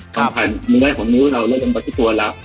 ส่องพันมือในของนิ้วเราเริ่มบัตรที่ตัวแล้ว